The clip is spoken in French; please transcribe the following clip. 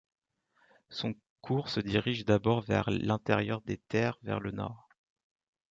Son cours se dirige d'abord vers l'intérieur des terres vers le nord.